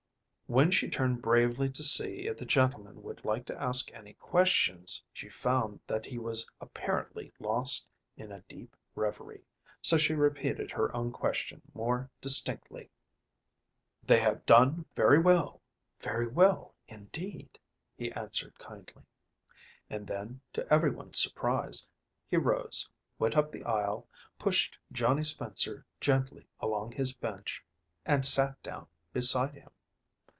When she turned bravely to see if the gentleman would like to ask any questions, she found that he was apparently lost in a deep reverie, so she repeated her own question more distinctly. "They have done very well, very well indeed," he answered kindly; and then, to every one's surprise, he rose, went up the aisle, pushed Johnny Spencer gently along his bench, and sat down beside him.